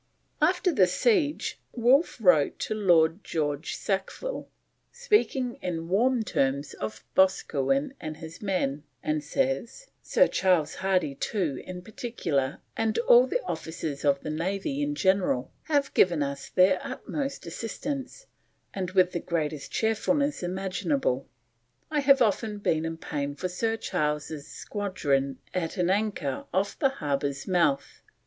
After the siege Wolfe wrote to Lord George Sackville, speaking in warm terms of Boscawen and his men, and says: "Sir Charles Hardy, too, in particular, and all the officers of the Navy in general have given us their utmost assistance, and with the greatest cheerfulness imaginable. I have often been in pain for Sir Charles's squadron at an anchor off the harbour's mouth.